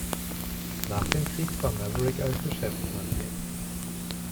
Nach dem Krieg war Maverick als Geschäftsmann tätig.